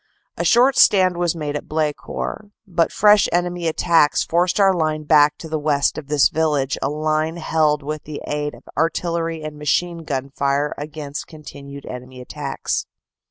A short stand was made at Blecourt, but fresh enemy attacks forced our line back to west of this village a line held with the aid of artillery and machine gun fire against continued enemy attacks."